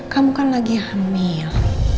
kamu kan lagi hamil